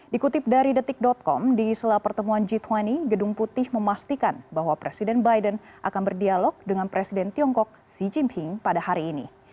dikutip dari detik com di sela pertemuan g dua puluh gedung putih memastikan bahwa presiden biden akan berdialog dengan presiden tiongkok xi jinping pada hari ini